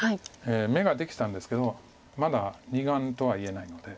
眼ができたんですけどまだ２眼とは言えないので。